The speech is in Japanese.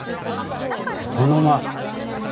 床の間。